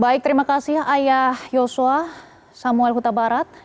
baik terima kasih ayah yosua samuel kutabarat